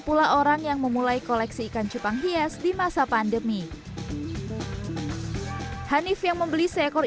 pula orang yang memulai koleksi ikan cupang hias di masa pandemi hanif yang membeli seekor